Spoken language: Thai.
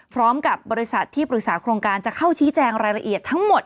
พร้อมกับบริษัทที่ปรึกษาโครงการจะเข้าชี้แจงรายละเอียดทั้งหมด